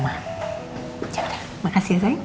ya udah makasih ya sayang